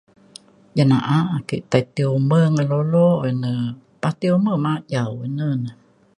jin na'a ake tai ti ume ngan lulo ina pah ti ume majau ine ne